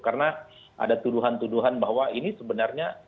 karena ada tuduhan tuduhan bahwa ini sebenarnya